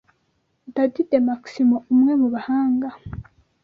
Dadi de Maximo, umwe mu bahanga